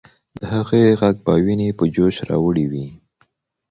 د هغې ږغ به ويني په جوش راوړي وي.